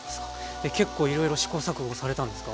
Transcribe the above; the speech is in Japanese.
結構いろいろ試行錯誤されたんですか？